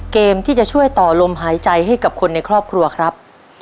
เกมที่จะช่วยต่อลมหายใจให้กับคนในครอบครัวครับ